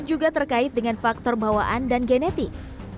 juga terkait dengan faktor bawaan dan genetik